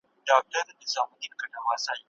افغان هلکان د خپلو اساسي حقونو دفاع نه سي کولای.